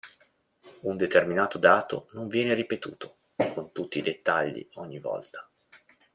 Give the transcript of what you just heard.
Un determinato dato non viene ripetuto, con tutti i dettagli, ogni volta.